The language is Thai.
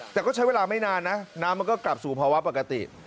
แต่ก็ใช้เวลาไม่นานนะน้ำมันก็กลับสู่ภาวะปกติ